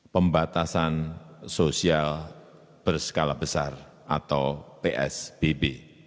pembatasan sosial berskala besar atau psbb